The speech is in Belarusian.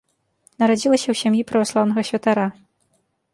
Нарадзілася ў сям'і праваслаўнага святара.